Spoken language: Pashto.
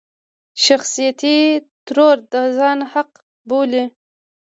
شخصيتي ترور د ځان حق بولي.